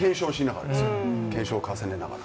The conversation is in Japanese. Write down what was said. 検証を重ねながら。